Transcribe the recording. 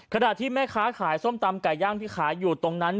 ขณะที่แม่ค้าขายส้มตำไก่ย่างที่ขายอยู่ตรงนั้น